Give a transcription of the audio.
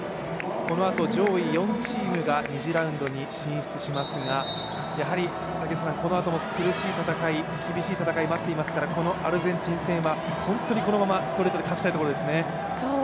このあと上位４チームが２次ラウンドに進出しますが、このあとも苦しい戦い厳しい戦い待っていますからこのアルゼンチン戦はこのままストレートで勝ちたいところですね。